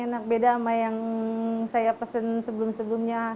enak beda sama yang saya pesen sebelum sebelumnya